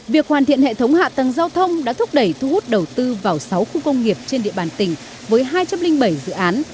việc hoàn thiện hệ thống hạ tầng giao thông đã thúc đẩy thu hút đầu tư vào sáu khu công nghiệp trên địa bàn tỉnh với hai trăm linh bảy dự án